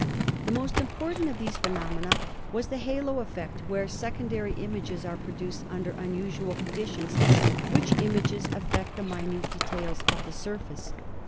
The most important of these phenomena was the halo effect where secondary images are produced under unusual con ditions, which images affect the minute details of the sur face.